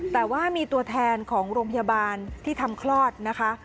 แต่ว่ามีตัวแทนของโรงพยาบาลที่ทำคลอดนะคะ